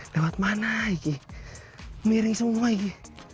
tempat mana ini miring semua ini